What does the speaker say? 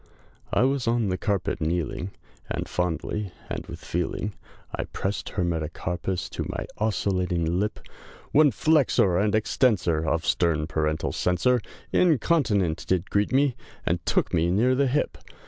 ] I WAS on the carpet kneeling, And fondly, and with feeling, I pressed her metacarpus, To my osculating lip, When flexor, And extensor, Of stern Parental censor, Incontinent did greet me, And took me near the hip!